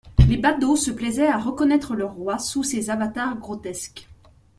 Les badauds se plaisaient à reconnaître leur roi sous ces avatars grotesques.